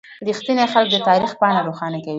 • رښتیني خلک د تاریخ پاڼه روښانه کوي.